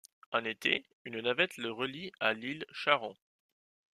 En été, une navette le relie à l'île Charron.